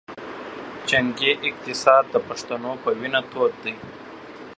جنګي اقتصاد د پښتنو پۀ وینه تود دے